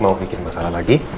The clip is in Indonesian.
mau bikin masalah lagi